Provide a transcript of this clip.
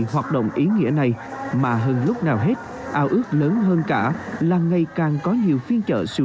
hoạt động ý nghĩa này mà hơn lúc nào hết ao ước lớn hơn cả là ngày càng có nhiều phiên trợ sự